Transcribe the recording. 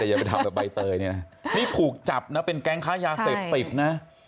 อย่าไปทำแบบใบเตยเนี่ยนะนี่ถูกจับนะเป็นแก๊งค้ายาเสพติดนะ